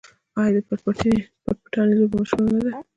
آیا د پټ پټانې لوبه مشهوره نه ده؟